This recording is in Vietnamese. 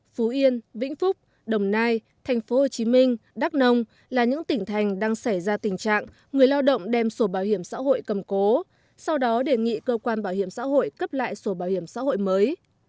phú yên vĩnh phúc đồng nai tp hcm đắk nông là những tỉnh thành đang xảy ra tình trạng người lao động đem sổ bảo hiểm xã hội cầm cố sau đó đề nghị cơ quan bảo hiểm xã hội cấp lại sổ bảo hiểm xã hội mới